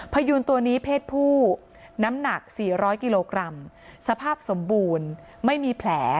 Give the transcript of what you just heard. พยูนตัวนี้เพศผู้น้ำหนัก๔๐๐กิโลกรัมสภาพสมบูรณ์ไม่มีแผล